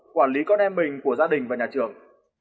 quản lý con em mình của gia đình và nhà trường